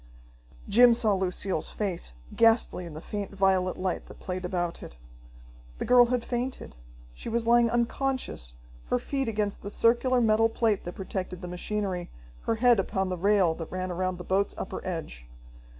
Jim saw Lucille's face, ghastly in the faint violet light that played about it. The girl had fainted. She was lying unconscious, her feet against the circular metal plate that protected the machinery, her head upon the rail that ran around the boat's upper edge.